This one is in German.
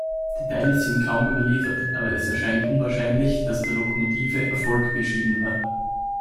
Details sind kaum überliefert, aber es erscheint unwahrscheinlich, dass der Lokomotive Erfolg beschieden war.